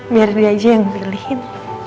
biar dia aja yang milihin